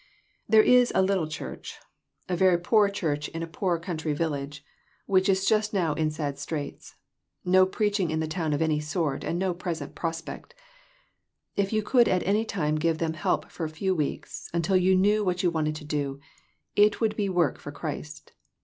There is a little church a very poor church in a 352 PRECIPITATION. poor country village which is just now in sad straits ; no preaching in the town of any sort, and no present prospect. If you could at any time give them help for a few weeks, until you knew what you wanted to do, it would be work for Christ.